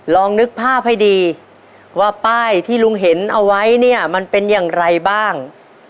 ลองนึกภาพให้ดีว่าป้ายที่ลุงเห็นเอาไว้เนี่ยมันเป็นอย่างไรบ้าง